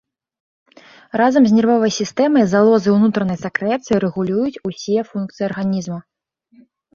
Разам з нервовай сістэмай залозы ўнутранай сакрэцыі рэгулююць усе функцыі арганізма.